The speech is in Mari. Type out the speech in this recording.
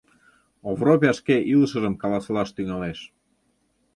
— Овропья шке илышыжым каласылаш тӱҥалеш.